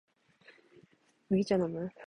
麦茶のむ？